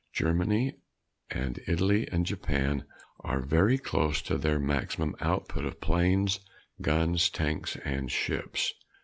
Germany, Italy and Japan are very close to their maximum output of planes, guns, tanks and ships.